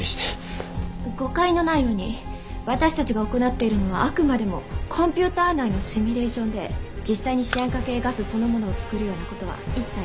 誤解のないように私たちが行っているのはあくまでもコンピューター内のシミュレーションで実際にシアン化系ガスそのものを作るような事は一切ありません。